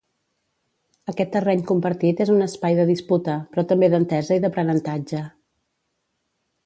Aquest terreny compartit és un espai de disputa, però també d'entesa i d'aprenentatge.